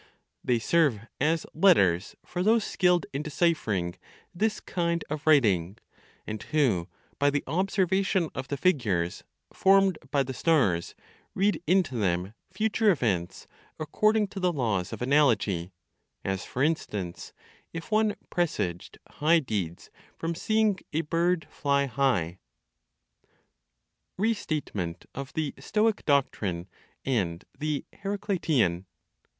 They serve as letters for those skilled in deciphering this kind of writing; and who, by the observation of the figures formed by the stars, read into them future events according to the laws of analogy, as for instance, if one presaged high deeds from seeing a bird fly high. RESTATEMENT OF THE STOIC DOCTRINE, AND THE HERACLITIAN.